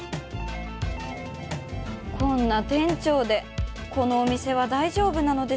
こんな店長でこのお店は大丈夫なのでしょうか